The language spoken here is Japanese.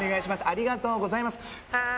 ありがとうございます